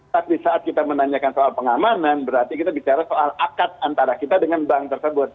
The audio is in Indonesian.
tapi saat kita menanyakan soal pengamanan berarti kita bicara soal akad antara kita dengan bank tersebut